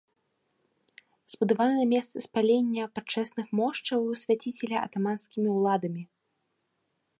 Збудаваны на месцы спалення пачэсных мошчаў свяціцеля атаманскімі ўладамі.